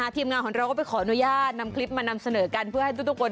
ทีมงานของเราก็ไปขออนุญาตนำคลิปมานำเสนอกันเพื่อให้ทุกคน